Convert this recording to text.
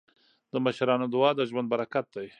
د مشرانو دعا د ژوند برکت دی.